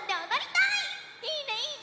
いいねいいね！